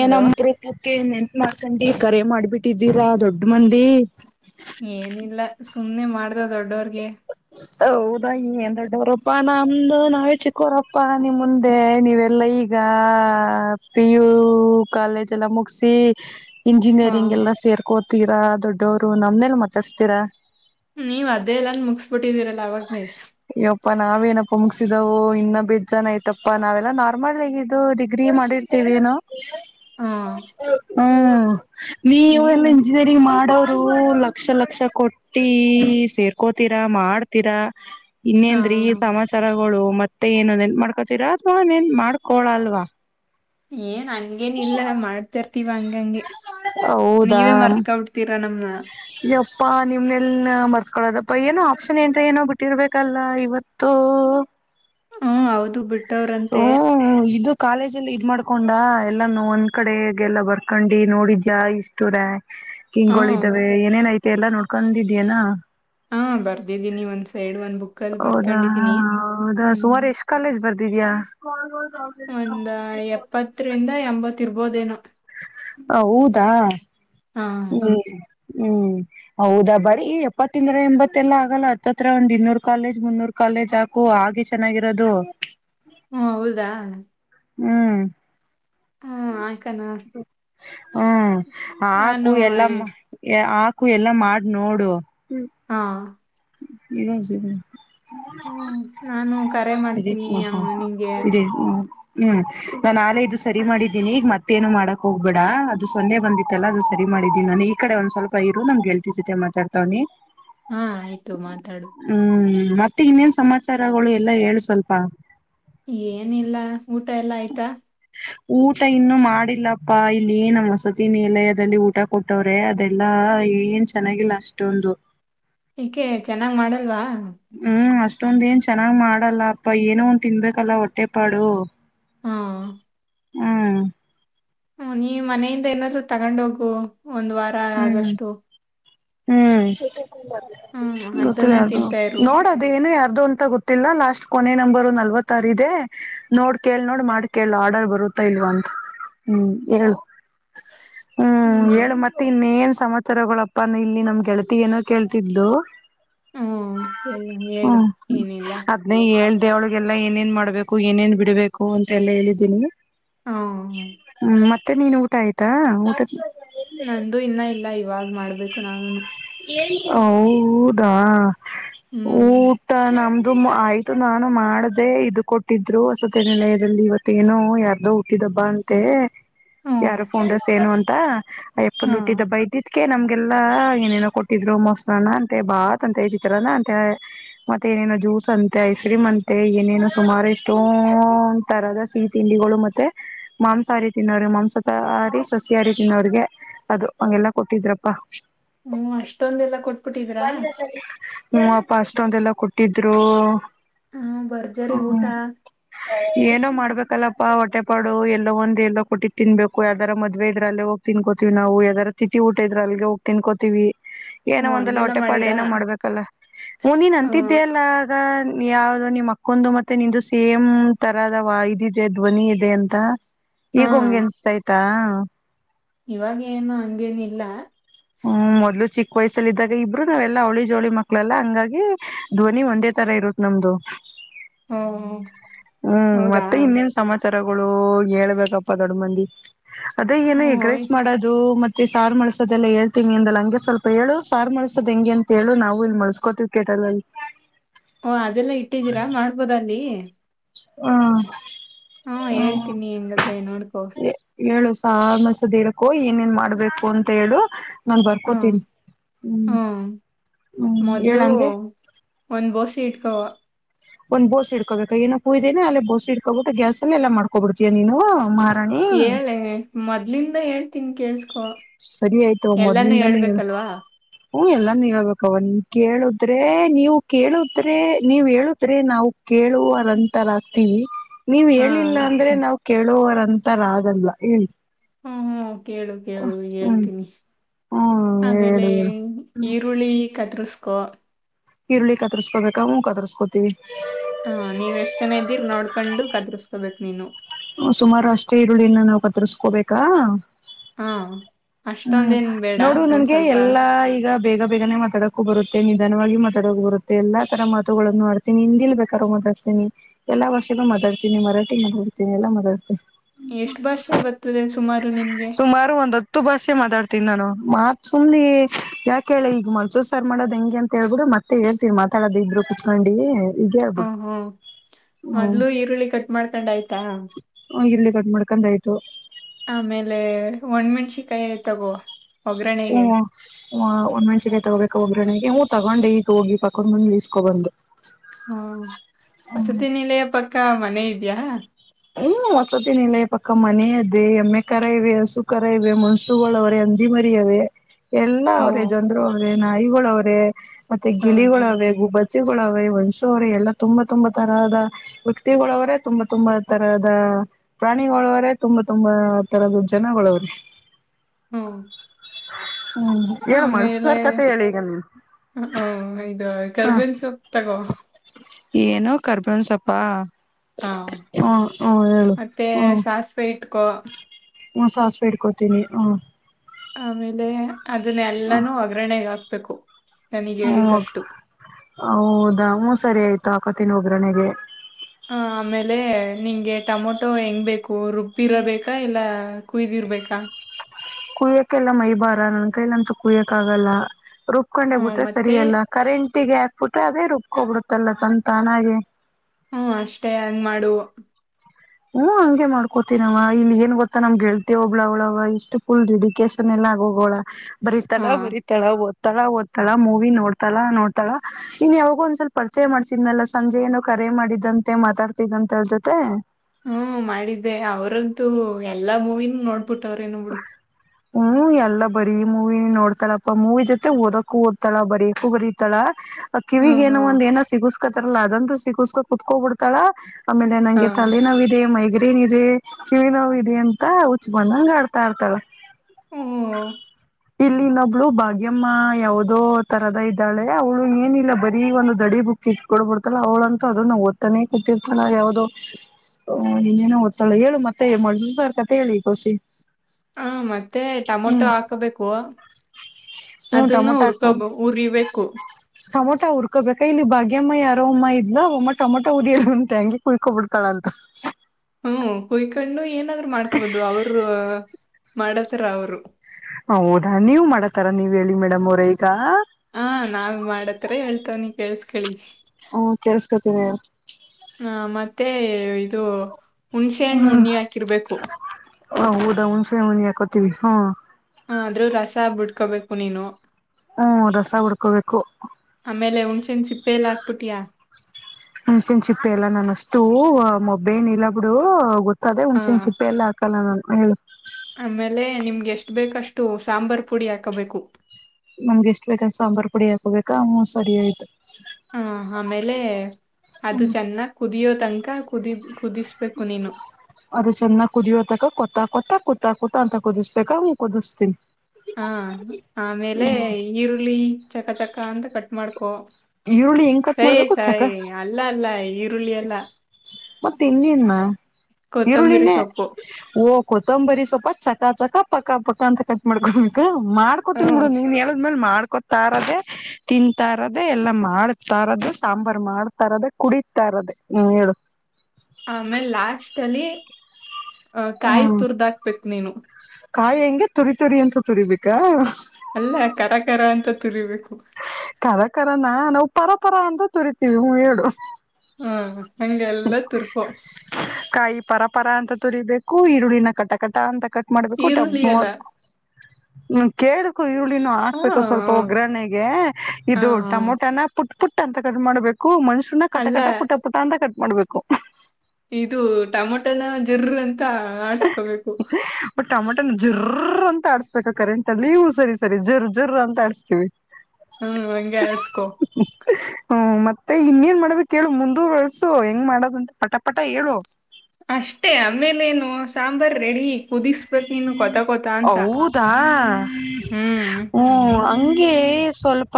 Hello ನೆನ್ತ್ ಮಾಡ್ಕಂಡಿ. ಕರೆ ಮಾಡ್ಬಿಟ್ಟಿದ್ದೀರಾ ದೊಡ್ ಮಂದಿ. ಸುಮ್ಮ್ನೆ ಮಾಡ್ ಹೌದ ಎ ದೇವ್ರಪ್ಪ ನಮ್ದು ನಾವೇ ಚಿಕ್ಕೋರಪ್ಪಾ ನಿಮ್ ಮುಂದೆ ನೀವೆಲ್ಲ ಈಗ ಪಿ ಯು ಕಾಲೇಜ್ ಎಲ್ಲ ಮುಗ್ಸಿ. ಹ ಇಂಜಿನಿಯರಿಂಗ್ ಎಲ್ಲ ಸೇರ್ಕೋತೀರಾ. ದೊಡ್ಡವ್ರು ನಮ್ನೆಲ್ ಮಾತಾಡ್ಸ್ತೀರಾ. ನೀವ್ ಅದೇ ಎಲ್ಲಾ ಮುಗ್ ಸ್ಫುಟಿದ್ದರಲ್ಲವಾಗ್ನೆ ಹ ಮುಗ್ಸಿದವು ಇನ್ನ ಬಿಜ್ಜಾನ್ ಐತಪ್ಪಾ ನಾವೆಲ್ಲ ನಾರ್ಮಲ್ಗ ಇದು ಡಿಗ್ರಿ ಮಾಡಿರ್ತೀವಿನೊ. ಹ ಓಕೆ ಹ್ಮ್ ನೀವು ಎಲ್ಲ ಏನು ಇಂಜಿನಿಯರಿಂಗ್ ಮಾಡೋ ದು ಲಕ್ಷ ಲಕ್ಷ ಕೊಟ್ಟಿ ಸೇರ್ಕೋತಿ ಯ ಮಾಡ್ತೀರಾ. ಹ ಇನ್ನೇನ್ರಿ ಸಮಾಚಾರಗಳು ಮತ್ ತ್ತೆ ಏನು ಮಾಡ್ಕೋತೀರಾ ಅಥವಾ ನೆನ್ ಮಾಡ್ಕೊಳ್ಲ್ವಾ [unintelligible] ನನ್ಗೇನ್ ಇಲ್ಲ ಮಾಡ್ತರ್ ತಿವಾ ಹಂಗಂಗೆ ಹೌದಾ ನೀವೇ ಮರ್ತ್ಕೊಬಿಡ್ತೀರಾ ನಮ್ನ. ಪ್ಪಾ ನಿಮ್ನೆಲ್ ಮರ್ಸ್ಕೊಳೋದಪ್ಪ ಏನೋ ಆಪ್ಷನ್ ಎಂಟ್ರಿ ಏನೋ ಬಿಟ್ಟಿರ್ಬೇಕಲ್ಲ ಇವತ್ತು. ಹ್ಮ ಹೌದು ಬಿಟ್ಟವ್ರಂತೆ. ಕಾಲೇಜ್ ಅಲ್ಲಿ ಇದ್ ಮಾಡ್ಕೊಂಡ ಎಲ್ಲಾನು ಒಂದ್ ಕಡೆಗೆಲ್ಲ ಬರ್ಕ್ ಕಂಡಿ ನೋಡಿದ್ಯಾ ಇಷ್ಟುರ. ಹ ಹಿಂಗಗಳಿದ್ದಾವೆ ಏನೇನೈತಿ, ಎಲ್ಲಾ ನೋಡಿಕೊಂಡಿದ್ದೇನ ಹಾ ಬರ್ದಿದ್ದೀನಿ ಒಂದ್ ಸೈಡ್ ಒಂದ್, ಬುಕ್ ಅಲ್ಲಿ ಹೌದಾ ಬರ್ಕೊಂಡಿದೀನಿ ಹೌದ ಹ್ಮ್ ಸುಮಾರು ಎಷ್ಟ ಕಾಲೇಜ ಬರ್ದಿ, ದಿದೆಯಾ ಒಂದ್ ಎಪ್ಪತ್ತರಿಂದ ಎಂಬತ್ತ ಇರ್ಬೋದೇನ, [unintelligible] ಹೌದಾ ಹ ಹು [unintelligible] ಹು ಹೌದಾ ಬರೀ ಎಪ್ಪತ್ತಿಂದ, [unintelligible] ಬೇರೆ ಎಂಬತ್ತ ಎಲ್ಲ ಆಗಲ್ಲ ಹತ್ತತ್ರ ಒಂದ್ ಇನ್ನೂರ್ ಕಾಲೇಜ್ ಮುನ್ನೂರ್ ಕಾಲೇಜ್ ಹಾಕು ಹಾಗೆ ಚೆನ್ನಾಗಿರೋದು. ಹ ಹೌದಾ. ಹೂ ಹ ಹಾಕ ಚನ್ನ, ಹ [unintelligible] ಹಾಕು ಎಲ್ಲ ಮ ಯ ಹಾಕ, ಹಾಕು ಎಲ್ಲಾ ಮಾಡ ನೋಡು, ಹಾ [unintelligible] ಇರು ಜಗ, [unintelligible] ಹ ನಾನು ಕರೆ ಇದೆ ಮಾಡ್ತೀನಿ ಅಮ್ಮ ನಿಂಗೆ, ಯ [unintelligible] [unintelligible] ನಾನೇ ಇದು ಸರಿ ಮಾಡಿದ್ದೀನಿ ಈಗ ಮತ್ತೆ, [unintelligible] ಮತ್ತೇನು ಮಾಡಕ್ ಹೋಗ್ಬೇಡ ಅದು ಸೊನ್ನೆ ಬಂದಿತ್ತಲ್ಲ ಅದು ಸರಿ ಮಾಡಿದೀನಿ ನಾನು ಈ ಕಡೆ ಒಂದ್ ಸ್ವಲ್ಪ ಇರು ನಮ್ಮ ಗೆಳತಿ ಜೊತೆ ಮಾತಾಡ್ತವನಿ. ಹಾ ಆಯ್ತ ಯ್ತು ಮಾತಾಡು. ಮತ್ತೆ ಇನ್ನೇನ್ ಸಮಾಚಾರಗಳು ಎಲ್ಲಾ ಹೇಳಿ ಸ್ವಲ್ಪ, ಏನಿಲ್ಲ ಊಟ ಎಲ್ಲ ಆಯ್ತಾ, ಊಟ ಇನ್ನು ಮಾಡಿಲ್ಲಪ್ಪಾ ಇಲ್ಲಿ ನಮ್ಮ ವಸತಿ ನಿಲಯದಲ್ಲಿ ಊಟ ಕೊಟ್ಟವ್ರೆ ಅದೆಲ್ಲಾ ಏನ್ ಚೆನ್ನಾಗಿಲ್ಲ ಅಷ್ಟೊಂದು, ಏಕೆ ಚೆನ್ನಾಗ್ ಮಾಡಲ್ವಾ, ಹ್ಮ್ ಅಷ್ಟೊಂದ ಏನ್ ಚೆನ್ನಾಗ್ ಮಾಡಲ್ಲ ಅಪ್ಪ ಏನೋ ಒಂದ್ ತಿನ್ಬೇಕಲ್ಲ ಹೊಟ್ಟೆ ಪಾಡು. ಹ ಹು [unintelligible] ಹು ನೀ ಮನೆಯಿಂದ ಏನಾದ್ರು ತಗೊಂಡ್ ಹೋಗು ಒಂದ್ ವಾರ ಆಗ ಆಗಸ್ಟು, ಹೂ [unintelligible] [inaudible] [unintelligible] [inaudible] ಗೊತ್ತಿಲ್ಲ ಅದನ್ನೇ ಯಾದೋ ತಿಂತಾ ಇರು ನೋಡದೇ ಏನ ಯ [unintelligible] ಗ ನ ನ ನೋ ಕ ನೋ ಮಾಡ ಕ ಆಡ ಬ ಇ ಹ ಹ್ಮ್ ಮ ಇನ್ನೇನ್ ಸಮಚರಗಳಪ್ಪಾನ ಇಲ್ಲಿ ನಮ್ಗೆ ಗೆಳತಿ ಏನೋ ಕೇಳ್ತಿದ್ದು ಹ್ಮ್ ಹೇಳು ಹ್ಮ ಹೇಳು ಏನಿಲ್ಲ ಅದ್ನೇ ಹೇಳ್ [inaudible] ದೇ ಅವಳಿಗೆಲ್ಲ ಏನೇನ್ ಮಾಡ್ಬೇಕು ಏನೇನ್ ಬಿಡ್ಬೇಕು ಅಂತ ಎಲ್ಲಾ ಹೇಳಿದ್ದೀನಿ ಹ್ಮ್ ಹ್ಮ್ ಮತ್ತೆ ಮತ್ತೆ ನೀನು ಊಟ ಆಯ್ತಾ ಊಟ ನಂದು ಇನ್ನ ಇ ಇಲ್ಲ ಇವಾಗ್ ಮಾಡ್ಬೇಕು ನಾನು ಹೌದಾ ಹ್ಮ್ ಊಟ ನಮ ಆಯ್ತು ನಾನು ಮಾಡ್ದ ಇದು ಕೊಟ್ಟಿದ್ರು ಹೊಸತಿ ನಿಲಯದಲ್ಲಿ ಇವತ್ತೇನು ಯಾರ್ದೋ ಹುಟ್ಟಿದಬ್ಬ ಅಂತೆ ಹ್ಮ್ ಯಾರ ಫೋಂಡ್ರೆಸ್ ಏನು ಅಂತ ಅಯಪ್ಪನ್ ಹ್ಮ್ ರುಟ್ಟಿದ ಬೈದಿದತ್ [inaudible] ನಮ್ಗೆಲ್ಲಾಏನೇನ ಕೊಟ್ಟಿದ್ರು ಮೊಸರನ ಅಂತೆ ಬಾತ್ ಅಂತೆ ಚಿತ್ರನ ಅಂತೆ ಮತ್ತೆ ಏನೇನೋ ಜ್ಯೂಸ್ ಅಂತೆ ಐಸ್ ಕ್ರೀಮ್ ಅಂತೆ ಏನೇನೋ ಸುಮಾರು ಎಷ್ಟು ತರದ ಸಿಹಿ ತಿಂಡಿಗಳು ಮತ್ತೆ ಮಾಂಸಾಹಾರಿ ತಿನ್ನೋರ ಮಾಂಸ ತಹಾರಿ ಸಸಿಹಾರಿ ತಿನ್ನೋರಿಗೆ ಅದು ಹಗೆಲ್ಲ ಕೊಟ್ಟಿದ್ರಪ್ಪಾ ಹ್ಮ್ ಅಷ್ಟೊಂದಲ್ಲ ಕೊಟ್ಬಿಟ್ಟಿದಿರಾ ಪಾ ಎಲ್ಲಾ ಕೊಟ್ಟಿದ್ರು ಹ್ಮ್ ಭರ್ಜರಿ ಊಟ ಹ ಏನೋ ಮಾಡ್ಬೇಕ ಕಲ್ಲಪಾ ಹೊಟ್ಟೆಪಾಡು ಎಲ್ಲ ಒಂದ ಎಲ್ಲೋ ಕೊಟ್ಟಿ ತಿನ್ಬೇಕು ಯಾವ್ದಾರ ಮದ್ವೆ ಇದ್ರೆ ಅಲ್ಲಿ ಹೋಗ್ ತಿನ್ಕೋತತಿವಿ ನವುಾವದಾರ ತ ತಿತಿ ಊಟ ಇದ್ರ ಅಲ್ಲಿಗೆ ಹೋಗಿ ತಿನ್ಕೋತೀವಿ ವಿ [inaudible] ಏನೋ ಹ್ಮ್ ಒಂದಲ್ಲ ಹಂಗೆಲ್ಲ ಹೊಟ್ಟೆಪಾಡು ಮಾಡಿರಾ ಏನೋ ಮಾಡ್ಬೇಕಲ್ಲ ಹಂದನ್ ಹ್ಮ್ ಅಂತಿದ್ದೆ ಅಲ್ಲ ಆಗ ಯಾವ್ದೋ ನಿಮ್ ಅಕ್ಕೊಂದು ಮತ್ತೆ ನಿಂದು ಸೇಮ್ ತರದ ವ ಇದದೆ ಧ್ವನಿ ಇದೆ ಅಂತ ಈಗ ಹಂಗೆ ಎನ್ಸ್ತಾಯ್ತಾ ಇವಾಗೇಏನು ಹಂಗೇನಿಲ್ಲ ಹ್ಮ ಮಲಲು ಚಿ ವಯಸಲಿದ್ದಾಗ ಇಬ್ರು ನಾವೆಲ್ಲಾ ಹಾವಳಿ ಜೋಳಿ ಮಕ್ಳೆಲ್ಲಾ ಹಂಗಾಗಿ ಧ್ವನಿ ಒಂದೇ ತರ ಇರುತ್ ನಮ್ದು ಹ್ಮ ಹಾ ಹ್ಮ್ ಮತ್ತೆ ಇನ್ನೇನ್ ಸಮಾಚಾರ ಪ ಹೇಳ್ಬೇಕಪ್ಪಾ ದೊಡ್ ಮಂದಿ ಅದೇ ಏನು ಓಯ್ ಎಗ್ರೈಸ್ ಮಾಡೋದು ಮತ್ತೆ ಮ ಸಾರು ಮಳ್ಸೋದೆಲ್ಲ ಹೇಳ್ತೀವಿ ಅಂದಲ್ಲ ಹಂಗೆ ಸ್ವಲ್ಪ ಹೇಳು ಸಾರು ಮಳ್ಸೋದ್ ಹೆಂಗೆ ಅಂತ ಹೇಳು ನಾವು ಇಲ್ಲಿ ಮಳ್ಸ್ಕೋತೀವಿ ಕೇಟಲ್ಲಲ್ಲಿ ಓ ಅದ ಅದೆಲ್ಲಾ ಇಟ್ಟಿದ್ದೀರಾ ಮಾಡ್ಬೋದ ನೀ ಹ್ಮ ಹಾ ಹೇಳ್ತೀನಿ ಹೆಮಾದ್ರೆ ನೋಡ್ಕೋ ಸಸದ ಇಳ್ಕೋ ಏನ ಏನ್ ಮಾಡ್ಬೇಕು ಅಂತ ಹೇಳು. ನನ್ ಬರ್ಕೋತೀನಿ ಹ್ಮ ಹ್ಮ್ ಹ್ಮ್ ಮೊದ್ಲು ಹೇಳಂಗೆ. ಒಂದ್ [inaudible] ಒಂದ್ ಬೋಸಿ ಇಡ್ಕೋಬೇಕ ಏನಪ್ಪು ಇದ್ದೇನ ಅ ಬೋಸ್ ಇಡ್ಕೋಬಿಟ್ಟು ಗ್ಯಾಸ್ ಅಲ್ಲಿ ಎಲ್ಲ ಮಾಡಕೋಬ ಬಿಡ್ತಿಯ ನೀನು ಮಾಡ್ ಹೇಳೆ ಮೊದ್ಲಿಂದ ಹೇಳ್ತಿನ್ ಕೇಳ್ಸೋ. ಸರಿ ಆಯ್ತವ ಮೊದ್ಲಿಂದಾನೇ ಹೇಳು. ಹೇಳ್ಬೇಕಲ್ವಾ ಹ್ಮ ಎಲ್ಲಾನು ಹೇಳ್ಬೇಕವ ಕೇಳುದ್ರೆ ನೀವು ಕೇಳುದ್ರೆ ನೀವ್ ಹೇಳುದ್ರೆ ನಾವು ಕೇಳುವರಂತಾರ ಆಕ್ತಿವಿ. ನೀವ್ ಹಾ ಹೇಳಿಲ್ಲ ಅಂದ್ರೆ ಹ್ಮ ನಾವು ಕೇಳುವವರಂತ ತರ ಆಗಲ್ಲಾ ಹೇಳಿ. ಹ್ಮ್ ಕೇಳು ಕೇಳು ಹ್ಮ್ ಹೇಳ್ತೀನಿ ಹ್ಮ್ ಆಮೇಲೆ ಹೇಳಿ ಹೇಳಿ ಈರುಳ್ಳಿ. ಕತ್ರಸ್ಕೊ. ಈರುಳ್ಳಿ ಕತರ್ಸ್ಕೋಬೇಕಾ ಹೂ ಕರ್ಸ್ಕೋತಿವಿ. ಹಾ ನೀವ್ ಎಷ್ಟ್ ಜನ ಇದ್ದೀರಿ ನೋಡ್ಕೊಂಡು ಕದ್ರಸ್ ಸ್ಕೋಬೆಕ್ ನೀನು. ಸುಮಾರು ಅಷ್ಟೇ ಈರುಳ್ಳನ್ನ ನಾವ್ ಕತ್ರಸ್ಕೊಬೇಕಾ. ಹಾ. ಹ್ಮ್ ಅಷ್ಟೊಂದೇನ್ ಬೇಡ ನೋಡು ಒಂದ್ ನನ್ಗೆ ಸ್ವಲ್ಪ ಎಲ್ಲಾ ಈಗ ಬೇಗ ಬೇಗನೆ ಮಾತಾಡಕೂ ಬರುತ್ತೆ ನಿಮ ನಿಧಾನವಾಗಿ ಮಾತಡೋಕು ಬರುತ್ತೆ ಎಲ್ಲ ತರ ಮಾತುಗಳನ್ನು ಮಾಡ್ತೀನಿ ಹಿಂದಿಲಿ ಬೇಕಾದ ಮಾತಾಡ್ತೀನಿ ಎಲ್ಲ ಭಾಷೆನು ಮಾತಾಡ್ತೀನಿ ಮರಾಠ ಮಾತಾಡ್ತೀನಿ ಎಲ್ಲಾ ಮಾತಾಡ್ತೀನಿ. ಎಷ್ಟು ಭಾಷೆ ಬರ್ತದೆ ಸುಮಾರು ನಿಮ್ಗೆ. ತ್ತು ಭಾಷೆ ಮಾತಾಡ್ತೀನಿ ನಾನು ಮತ್ ಸುಮ್ನೆ ಯಾಕ ಹೇಳೆ ಈಗ ಮನ್ಸೂ ಸಾರ್ ಮಾಡೋದ್ ಹೆಂಗೆ ಅಂತ ಹ ಹೇಳಿಬಿಡ ಮತ್ತೆ ಹೇಳ್ತೀಿ ಮಾತಾಡೋದು ಇದ್ರು ಕುತ್ಕೊಂಡಿ. ಈಗ ಹ ಹೇಳ್ಬಿಡು ಹ್ಮ ಮೊದ್ಲು ಈರುಳ್ಳಿ ಕಟ್ ಮಾಡ್ [inaudible] ಹ ಇಲ್ಲಿ ಬಟ್. ಮುಡ್ಕೊಂಡ ಆಯ್ತು. ಆಮೇಲೆ ಒಣ್ ಮೆಣಷಿಕಾಯಿ ತೊಗೊ. ಹ್ಮ ಒಂದ್ ಮೆನಸಿಕಾಯ ತೊಗೋಬೇಕ ಒಗ್ಗ ರಣೆಗೆ ತಗೊಂಡು ಈ ಹೋಗಿ ಪಕ್ಕದ ಮನೆಗ ಇಸ್ಕೊ ಬಂದೆ. ಹಾ ವಸತಿ ನಿಲಯ ಪಕ್ಕಾ ಮ ಮನೇ ಇದ್ಯಾ. ಹ್ಮ ವಸತಿನ ಪಕ್ಕ ಮನೆ ಅದೇ ಎಮ್ಮೆ ಕರ ಇವೆ ಹಸು ಕರ ಇವೆ ಮನ್ಸೂರ್ಗಳವ್ರೆ ಹಂದಿ ಮರಿಯವೆೇ. ಎಲ್ಲ ಹ್ಞೂ ಅವ್ರೆ ಜನ್ರು ಅವ್ರೇ. ನಾಯಿಗೊಳ ಅವ್ರೆ. ಮತ್ತೆ ಹ್ಮ್ ಗಿಳಿಗಳ ಹ್ಮ್ ಅವೆೆ ಗುಬ್ಬಚ್ಚಿ ಗಳ ಅವೆ ಒನ್ಸ ಅವ್ರ ಎಲ್ಲ ತುಂಬಾ ತುಂಬಾ ತರಹದ ವ್ಯಕ್ತಿಗಳ ಅವರೇ ತುಂಬಾ ತುಂಬಾ. ತರದ ಪ್ರಾಣಿಗಳವ್ರೆ ತುಂಬಾ ತುಂಬಾ ತರದ ಜನಗಳವ್ರೆ. ಹ್ಮ್ ಹ್ಮ ಹೇಳ ಆಮೇಲೆ ಮಳ್ಸರ್ ಕತೆ ಹೇಳಿ ಈಗ ನೀನ್. ಹ ಕರಬೇವಿನ ಸೊಪ್ಪ ತಗೋ ಏನೋ ಕರಬೇವಿನ ಸೊಪ್ಪ ಹಾ ಹ್ಮ ಹ್ಮ ಹೇಳು ಮತ್ತೆ ಹ್ಮ್ ಸಾಸಿವೆ ಇಟ್ಕೊ. ಹ್ಮ ಸಾಸಿವೆ ಇಡ್ಕೋತೀನಿ ಹ್ಮ ಆಮೇಲೆ ಅದನ್ನ ಎಲ್ಲಾನು ಒಗ್ಗರಣೆಗ ಹಾಕಿ ತಕೊ ಹ್ಮ ಹೌದ ಸರಿ ಆಯ್ತು ತಾಕತಿನ ಒಗ್ಗರಣೆ ಗೆ ಹ ಆಮೇಲೆ ನಿಂಗೆ ಟೊಮೊಟೊ ಹೆಂಗ್ ಬೇಕು ರುಬ್ಬಿರಬೇಕಾ ಇಲ್ಲ ಕುಯ್ದಿರ್ಬೇಕಾ ಕುಯ್ಯಕ್ಕೆೆಲ್ಲ ಮೈ ಬಾರ ನನ್ ಕೈ ನಂತು ಕುೂಯ್ಯಕ ಆಗಲ್ಲ ರುಬ್ಕೊಂಡೋಗ ಹ ಬಿಟ್ರೆ ಮತ್ತೆ ಸರಿಯಲ್ಲ ಕರೆಂಟ್ ಒಟ್ಟಿಗೆ ಹಾಕ್ಬಿಟ್ಟೆ ಅದೇ ರುಬ್ಕೊ್ಬಿಡುತ್ತಲ್ಲ ತಂತತಾನಗೆ ಹ್ಮ್ ಅಷ್ಟೇ ಹೆಂಗ ಮಾಡುವ. ಹ್ಮ್ ಹಂಗೆ ಮಾಡ್ಕೋತನವ ಇಲ್ಲಿ ಏನ್ ಗೊತ್ತಾ ನಮ್ಗೆಳ್ತತಿ ಒಬ್ಳ ಅವ್ಳವ ಇಷ್ಟು ಫುಲ್ ಡೆಡಿಕೇಶನ್ ಎಲ್ಲ ಆಗೋಗವಳ. ಹ ಬರೀತಲ ಬರೀ ತಳಬಹದು. ಓದ್ತಾಳ ಓದ್ತಾಳ ಮೂವಿ ನೋಡ್ತಾಳಾ ನೋಡ್ತಾಳ ಇನ್ ಯಾವಾಗ ಒಂದ್ಸಲ್ಪ ಪರಿಚಯ ಮಾಡ್ಸಿದ್ನಲ್ಲ ಸಂಜೆಏನ ಕರೆ ಮಾಡಿದಂತೆ ಮಾತಾಡ್ತಿದ ಅಂತ ಅವರ ಜೊತೆ ಹ್ಮ ಮಾಡಿದ್ದೆ ಅವ್ರಂತೂ ಎಲ್ಲಾ ಮೂವಿನ ನೋಡ್ ಪುಟ್ಟ ಗೌರಿ ನೋಡು ಹ್ಮ್ ಎಲ್ಲಾ ಬರಿ ಮೂವಿನ ನೋಡ್ತಾಳಪ್ಪಾ ಮೂವಿ ಜೊತೆ ಓದೋಕೂ ಓದ್ತಾಳ ಬರಿಯಕು ಬರತಾಳ ಅ ಹ್ಮ್ ಕಿವಿಗೇಏನೋ ಹ್ಮ್ ಒಂದ ಏನ ಸಿಗಸ ಕುತಿರಲ್ಲ ಅದಂತೂ ಸಿಗುಸ್ಕ ಕುತ್ಕೋ ಬಿಡ್ತಾಳ ಆಮೇಲೆ ಹ ನಂಗೆ ತಲೆ ನೋವಿದೆ ಮೈಗೆ ಏನಿದೆ ಕಿವಿ ನೋವು ಇದೆ ಅಂತ ಹಚ್ಕೊಂಡಂಗ ಆಡ್ತ ತಾಟ ತಗೋ ಹ್ಮ ಇಲ್ಲಿ ಇನ್ನೊಬ್ಳು ಭಾಗ್ಯಮ್ಮ ಯಾವದೋ ತರದ ಇದ್ದಾಳೆ ಅವ್ಳು ಏನಿಲ್ಲ ಬರೀ ಒಂದ ದಡಿ ಬುಕ್ ಇಟ್ಕೊಡ್ಬಡ್ತಳ ಅವ್ಳಂತೂ ಅದನ್ನ ಓದ್ತಾನೇ ಕುತ್ತತಿರ್ತಳ ಯಾವ್ದೋ ಅ ಇನ್ನೇನ ಓದ್ತಾಳೆ ಹೇಳು ಮತ್ತೆ ಮಾಡ್ದ ಸರ್ ಕತೆ ಹೇಳಿ ಕೋಸಿ ಹಾ ಮತ್ತೆ ಟಮೊಟೊ ಹಾಕಬೇಕು ಹ್ಮ್ ಅದನ್ನು ಟೊಮೊಟೊ ಹುರ್ಕೊಬ ಹುರಿಬೇಕು. ಟಮೊಟ ಹುರ್ಕೋಬೇಕಕ್ ಇಲ್ಲಿ ಬಾಗ್ಯಮ್ಮ ಯಾರೋ ಉಮ ಇದ್ಲ ಉಮ್ಮ ಟಮೊಟಾ ವಡಿ ಅಂತೆ ಹೆಂಗೆ ಕುಕೊ ಬಿಡ್ತಾಳ ಅಂತ ಹ್ಮ ಹುಯ್ಕೊಂಡು ಏನ್ ಅವ್ರ ಮಾಡ್ಕೊ ಬಂದ್ ಅವರು ಮಾಡತರ ಅವರು ಹ ಹೌದಾ ನೀವ್ ಮಾಡತಾರ ನೀವ್ ಹೇಳಿ ಮೇಡಮ್ ಅವರೆ ಈಗ ಹಾ ನಾವ್ ಮಾಡತರ ಹೇಳ್ತ ತನ ಕೆಲ್ಸಕೋಳಿ ಹ್ಮ ಕೇಳಸ್ಕೊತೀನಿ ಹೇಳಿ ಹ ಮತ್ತೆ ಇದು ಹುಣ್ಸೆ ಹಣ್ಣು ಹುಳಿ ಹಾಕಿರ್ಬೇಕು ಹ ಹೌದಾ ಹುಣ್ಸೆ ಹುಳಿ ಹಾಕೋತೀವಿ ಹ್ಮ್. ಹ ಆದ್ರೂ ರಸ ಬಿಡ್ಕೊಬೇಕು ನೀನು. ಹ್ಮ ರಸ ಉಡ್ಕೋಬೇಕು. ಆಮೇಲೆ ಹುಣ್ಸೆನ್ ಸಿಪ್ಪೆಲ್ಲ ಹಾಕ್ಬಿಟಿಯಾ. ಹುಣಸೇನ್ ಚಿಪ್ಪೆ ಎಲ್ಲಾ ನಾನ ಅಷ್ಟು ಮಬ್ಬೈನ್ ಇಲ್ಲ ಬಿಡು ಗೊತ್ತ ತದೇ ಹ ಹುಣಸೆನ್ ಸಿಪ್ಪೆಲ್ಲಾ ಲ್ಲ ನಾನು ಹೇಳು. ಆಮೇಲೆ ನಿಮ್ಗೆ ಎಷ್ಟ್ ಬೇಕಷ್ಟು ಸಾಂಬಾರ್ ಪುಡಿ ಹಾಕೊಬೇಕು. ನಮ್ಗೆ ಎಷ್ಟ ಬೇಕಾದ ಸಾಂಬಾರ್ ಪುಡಿ ಹಾಕೋಬೇಕಾ ಹೂಂ ಸರಿ ಆಯ್ತು. ಹಾ ಆಮೇಲೆ ಅದು ಹ್ಮ್ ಚೆನ್ನಾಗ ಕುದಿಯೋ ತನ್ ಕು ಕುದಿ ಕುದಿಸ್ಬೇಕು ನೀನು ಅದು ಚೆನ್ನಾಗ ಕುದಿಯೋ ತಕ ಕೊತ್ತಾ ಕೊತ್ತಾ ಕು ಕೊತಾ ಕೊತ ಅಂತ ಕುದಿಸ್ಬೇಕ ಹೂಂ ಕುದಿಸ್ತೀನಿ. ಹಾ ಆಮೇಲೆ ಈರುಳ್ಳಿ. ಚಕ ಚಕ ಅಂತ ಕಟ್ ಮಾಡಿ ಕೂ ಈರುಳ್ಳಿ ಹೆಂಗ ಕಟ್ ಮಾಡ್ಬೇಕೂ ಚಕ್ ರುಳ್ಳಿಯಲ್ಲ. ಮತ್ತೆ ಇನ್ನೇನ್. ಈರುಳ್ಳಿನೇ ಸೊಪ್ಪು ಓ ಕೊತ್ತಂಬರಿ ಸ್ವಲ್ಪ ಚಕ್ಕ ಚಕಾ ಚಕಾ ಪಕ್ಕ ಪಕ್ಕ ಅಂತ ಕಟ್ ಮಾಡ್ಕೊಬೇಕಾ? ಮಾಡ್ಕೋತೀನೀ ಹ್ಮ ಬಿಡೂ ನೀನ್ ಹೇಳಿದ್ಮೇಲೆ ಮಾಡ್ ಕೊತಾರದೆ ತಿಂತಾ ಇರದೆ ಎಲ್ಲಾ ಮಾಡ್ತಾರದ ಸಾಂಬಾರ ಮಾಡ್ತಾರದೇ ಕುಡಿ ತಾ ಇರೋದೆ ಹಂ ಹೇಳು. ಆಮೇಲ್ ಲಾಸ್ಟ್ ಅಲ್ಲಿ. ಅ ಕಾಯಿ ಹ್ಮ್ ತುರ್ದಾಕ್ಬೇಕ್ ನೀನು. ಕಾಯಿ ಹೆಂಗೆ ತುರಿ ತುರಿ ಅಂತ ತುರಿಬೇಕಾ? ಅಲ್ಲ ಕರಕರ ಅಂತ ತುರಿಬೇಕು. ಕರ ಕರನ ನಾವು ಪರ ಪರ ಅಂತ ತುರಿತೀವಿ ಹೂಂ ಹೇಳು. ಹ್ಮ ನಂಗ ಎಲ್ಲ ತುರ್ಕೋ. ಕಾಯಿ ಪರ ಪರ ಅಂತ ತೂರಿಬೇಕು ಈರುಳ್ಳಿನ ಕಟಕಟ ಅಂತ ಕಟ್ಟ ಮಾಡ್ಬೇಕು ಟಬ್ ಈರುಳ್ಳಿ ಅಲ್ಲ [unintelligible] ಹ್ಮ ಕೇಳ. ಈರುಳ್ಳಿನ ಆ ಹಾಕ್ಬೇಕು ಸ್ವಲ್ಪ ಒಗ್ಗರೇಣೆಗೆ. ಆ ಇದು ಟಮೊಟಾನ ಪು ಪುಟ್ ಅಂತ ಕಡ್ಮ್ ಮಾಡ್ಬೇಕು ಮನುಷ್ ಸುಮ್ನೆ ಕಟ ಅಲ್ಲ ಕಟ ಪುಟ್ಟ ಪುಟ್ಟ ಅಂತ ಕಟ್ ಮಾಡ್ಬೇಕು ಇದು ಟಮಾಟನ ಜರ್ ಅಂ ತಾ ಆಡ್ಸ್ಕೋಬೇಕು ಜರ್ ಅಂತ ಆಡ್ಸ್ಬೇಕ ಕರೆಂಟ್ ಅಲ್ಲಿ ನೀವು ಸರಿ ಸರಿ ಜರ್ ಜರ್ ಅಂತ ಆಡಿಸಸ್ತೀವಿ ಹ್ಮ್ ಹಂಗೆ ಅಳ್ಸ್ಕೊ. ಹ್ಮ ಮತ್ತೆ ಇನ್ನೇನ್ ಮಾಡ್ಬೇಕೇಳು ಮುಂದ ಬರ್ಸು ಹೆಂಗ್ ಮಾಡದಂ ಪಟ ಪಟ ಹೇಳು ಅಷ್ಟೇ ಆಮೇಲೆನು ಸಾಂಬಾರ್ ರೆಡಿ ಕುದಿಸ್ಬೇಕ್ ನೀನು ಕೊತ ಕೊತ ಅಂತ. ಹೌದಾ ಹ್ಮ್ ಹು ಹಂಗೆ ಸ್ವಲ್ಪ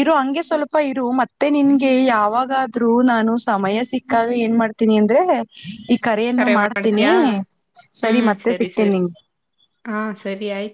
ಇರೋ ಹಂಗೆ ಸ್ವಲ್ಪ ಇರು ಮತ್ತೆ ನಿನ್ಗೆ ಯಾವಾಗಾದ್ರೂ ನಾನು ಸಮಯ ಸಿಕ್ಕಾಗ ಏನ್ ಮಾಡ್ತೀನಿ ಅಂದ್ರೆ ಇ ಕರೆಯನ್ನು ಕರೆ ಮಾಡ್ತೀನಿ ಮಾಡ್ತೀಯಾ? ಸರಿ ಹ್ಮ್ ಮತ್ ಸರಿ ಸರಿ ಹ ಸರಿ ಆಯ್ತು.